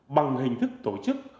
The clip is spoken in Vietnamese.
bằng hình thức tổ chức